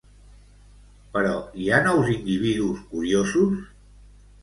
Però hi ha nous individus curiosos?